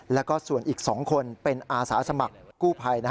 แล้วก็ส่วนอีก๒คนเป็นอาสาสมัครกู้ภัย